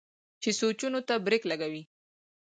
چې سوچونو ته برېک لګوي